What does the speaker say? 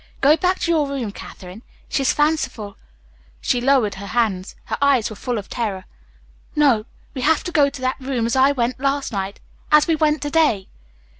"Go back to your room, Katherine. She's fanciful " She lowered her hands. Her eyes were full of terror. "No. We have to go to that room as I went last night, as we went to day."